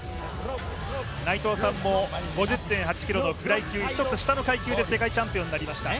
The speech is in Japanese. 内藤さんも５０．８ｋｇのフライ級１つ下の階級で世界チャンピオンになりました。